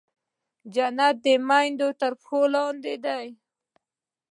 جنت د مېندو تر پښو لاندې دی.